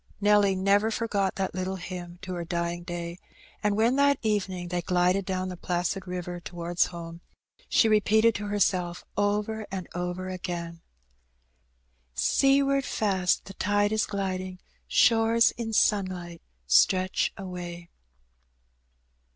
If Nelly never forgot that little hymn to her dying day; and when that evening they glided down the placid river towards home, she repeated to herself over and over again —" Seaward fast the tide is gliding. Shores in sunlight stretch away."